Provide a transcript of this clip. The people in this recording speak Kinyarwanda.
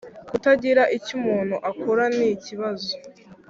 kutagira icyo umuntu akora. nikibazo